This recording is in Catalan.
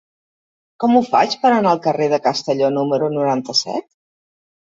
Com ho faig per anar al carrer de Castelló número noranta-set?